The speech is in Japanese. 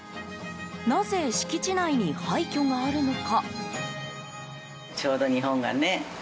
なぜ、敷地内に廃虚があるのか。